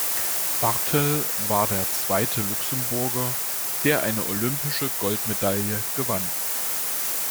Barthel war der zweite Luxemburger, der eine olympische Goldmedaille gewann.